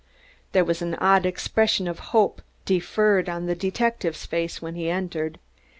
There was an odd expression of hope deferred on the detective's face when he entered.